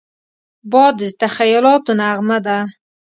باد د تخیلاتو نغمه ده